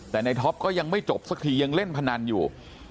แต่ในท็อปก็ยังไม่จบสักทียังเล่นพนันอยู่